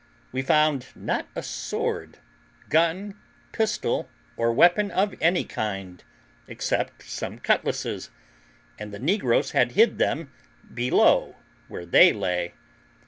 We found not a sword, gun, pistol, or weapon of any kind, except some cutlasses; and the negroes had hid them below where they lay.